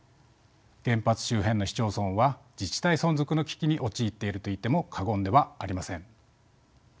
原発周辺の市町村は自治体存続の危機に陥っていると言っても過言ではありません。